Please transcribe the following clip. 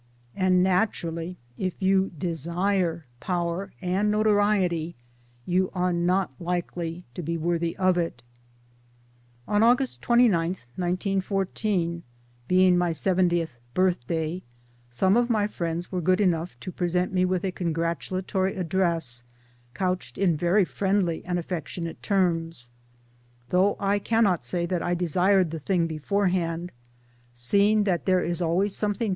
And naturally if you desire power (and 1 notoriety) you are not likely, to be worthy of it. On August 29, 1914, being my seventieth 1 birth day, some of my friends were good enough to present me with a congratulatory Address couched in very friendly and affectionate terms. Though I cannot say that I desired the thing beforeliand' seeing that there is always something!